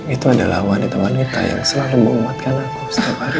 itu adalah wanita wanita yang selalu menguatkan aku setiap hari